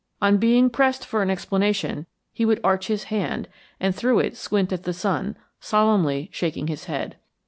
On being pressed for an explanation, he would arch his hand, and through it squint at the sun, solemnly shaking his head.